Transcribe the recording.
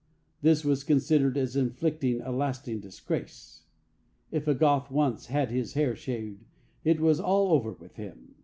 This was considered as inflicting a lasting disgrace. If a Goth once had his hair shaved, it was all over with him.